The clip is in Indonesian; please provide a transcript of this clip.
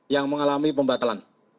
yang mengalami pembatalan